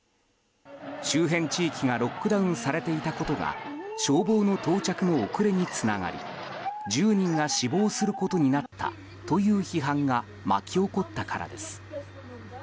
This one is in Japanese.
周辺地域がロックダウンされていたことが消防の到着の遅れにつながり１０人が死亡することになったという批判が巻き起こったからです。